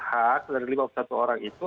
hak dari lima puluh satu orang itu